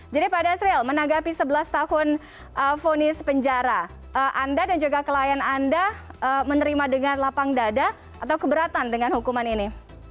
jadi pak dasril menanggapi sebelas tahun vonis penjara anda dan juga klien anda menerima dengan lapang dada atau keberatan dengan hukuman ini